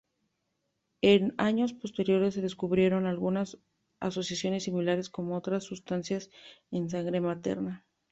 En años posteriores se descubrieron algunas asociaciones similares con otras sustancias en sangre materna.